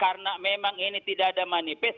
karena memang ini tidak ada manifest